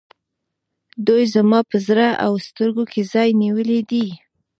دوی زما په زړه او سترګو کې ځای نیولی دی.